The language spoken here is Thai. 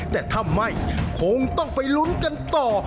แต่ถ้าไม่คงต้องไปลุ้นกันต่อ